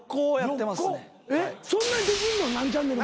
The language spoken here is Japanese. そんなにできんの？